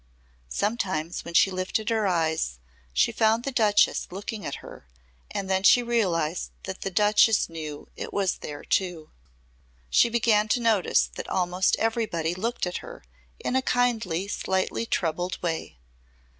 Sometimes when she lifted her eyes she found the Duchess looking at her and then she realised that the Duchess knew it was there too. She began to notice that almost everybody looked at her in a kindly slightly troubled way.